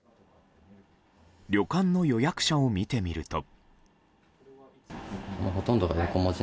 旅館の予約者を見てみると。